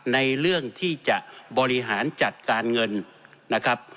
ในเรื่องที่จะบริหารจัดการเงินนะครับ